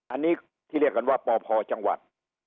อันนี้ที่เรียกกันว่าปพจังหวัด